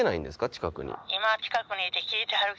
近くに。